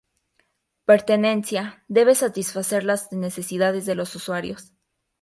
Pertenencia: Debe satisfacer las necesidades de los usuarios.